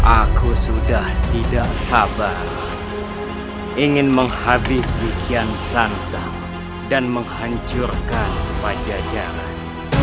aku sudah tidak sabar ingin menghabisi kian santa dan menghancurkan pajajaran